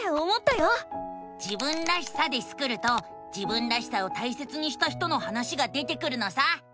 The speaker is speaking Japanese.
「自分らしさ」でスクると自分らしさを大切にした人の話が出てくるのさ！